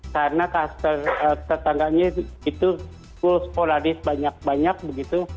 karena kak setangganya itu full polaris banyak banyak begitu